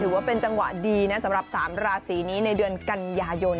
ว่าเป็นจังหวะดีนะสำหรับ๓ราศีนี้ในเดือนกันยายน